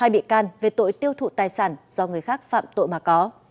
hai bị can về tội tiêu thụ tài sản do người khác phạm tội mà có